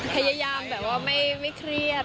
พยายามแบบว่าไม่เครียด